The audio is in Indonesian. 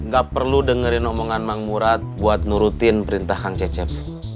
gak perlu dengerin omongan mang murad buat nurutin perintah kang cecep